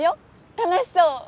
楽しそう！